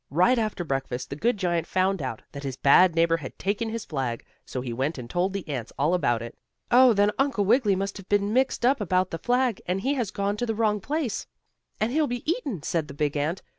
Right after breakfast the good giant found out that his bad neighbor had taken his flag, so he went and told the ants all about it. "Oh, then Uncle Wiggily must have been mixed up about the flag, and he has gone to the wrong place, and he'll be eaten," said the big ant.